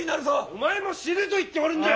お前も死ぬと言っておるんじゃ！